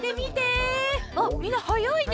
あっみんなはやいね。